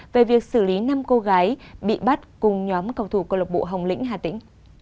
về việc xử lý năm cô gái bị bắt cùng nhóm cầu thủ công lộc bộ hồng lĩnh hà tĩnh